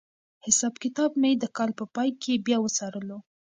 حساب کتاب مې د کال په پای کې بیا وڅارلو.